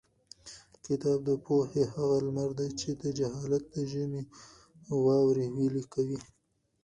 کتاب د پوهې هغه لمر دی چې د جهالت د ژمي واورې ویلي کوي.